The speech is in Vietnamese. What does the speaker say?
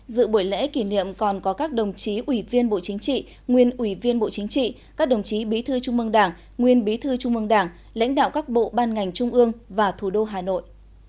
dự buổi lễ kỷ niệm còn có các đồng chí ủy viên bộ chính trị nguyên ủy viên bộ chính trị các đồng chí bí thư trung mương đảng nguyên bí thư trung mương đảng lãnh đạo các bộ ban ngành trung ương và thủ đô hà nội